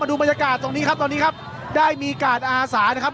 ดูบรรยากาศตรงนี้ครับตอนนี้ครับได้มีการอาสานะครับ